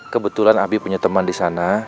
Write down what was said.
kebetulan abi punya teman di sana